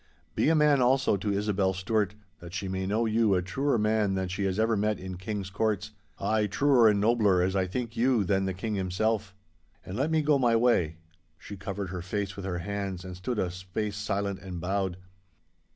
Be a man also to Isobel Stewart, that she may know you a truer man than she has ever met in King's courts—ay, truer and nobler, as I think you, than the King himself. And let me go my way....' She covered her face with her hands and stood a space silent and bowed.